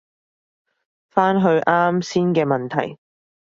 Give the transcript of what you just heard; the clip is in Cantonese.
返去啱先嘅問題